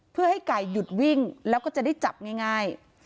เพื่อให้ไก่หยุดวิ่งแล้วก็จะได้จับง่าย